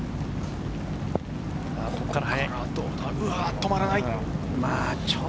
止まらない。